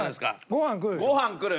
ご飯くる。